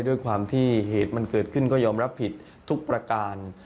ด้วยความที่เหตุมันเกิดขึ้นก็ยอมรับผิดทุกประการ